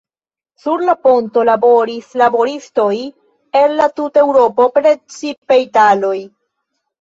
Sur la ponto laboris laboristoj el la tuta Eŭropo, precipe italoj.